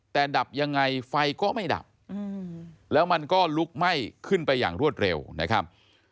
แต่ดับยังไงไฟก็ไม่ดับแล้วมันก็ลุกไหม้ขึ้นไปอย่างรวดเร็วนะครับ